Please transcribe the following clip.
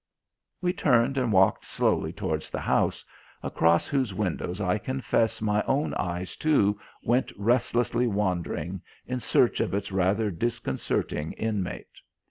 We turned and walked slowly towards the house, across whose windows I confess my own eyes, too, went restlessly wandering in search of its rather disconcerting inmate.